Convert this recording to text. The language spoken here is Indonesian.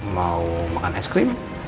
mau makan es krim